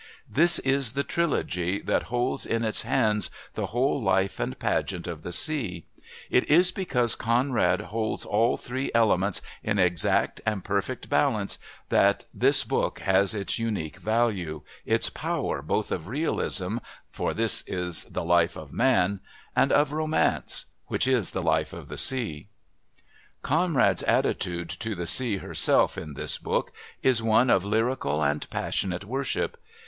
This is the Trilogy that holds in its hands the whole life and pageant of the sea; it is because Conrad holds all three elements in exact and perfect balance that this book has its unique value, its power both of realism, for this is the life of man, and of romance, which is the life of the sea. Conrad's attitude to the Sea herself, in this book, is one of lyrical and passionate worship.